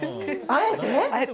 あえて。